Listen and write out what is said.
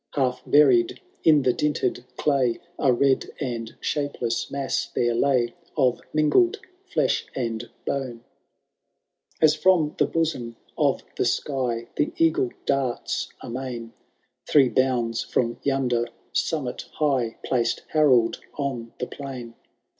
Half buried in the dinted clay, A red and shapeless mass there lay Of mingled flesh and bone ! XVI. As from the bosom of tlie sky The eagle darts amain. Three bounds from yonder summit high Placed Harold on the plain.